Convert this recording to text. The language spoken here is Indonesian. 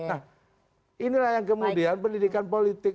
nah inilah yang kemudian pendidikan politik